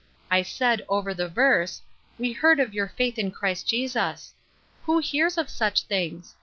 I said over the verse :' We heard of your faith in Christ Jesus.' Who hears of such things